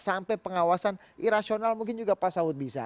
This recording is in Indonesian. sampai pengawasan irasional mungkin juga pak saud bisa